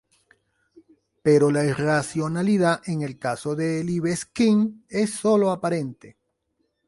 Pero la irracionalidad en el caso de Libeskind es solo aparente.